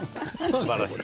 すばらしい。